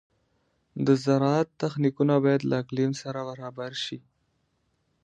د زراعت تخنیکونه باید له اقلیم سره برابر شي.